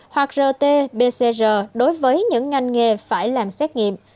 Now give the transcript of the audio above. hoặc rt pcr đối với những ngành nghề phải làm xét nghiệm